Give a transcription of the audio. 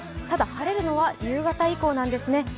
ただ、晴れるのは夕方以降なんですね。